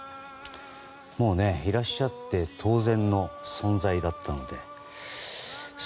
いらっしゃって当然の存在だったので。